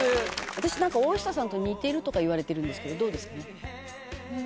私なんか大下さんと似てるとか言われてるんですけどどうですか？